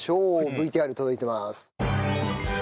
ＶＴＲ届いてます。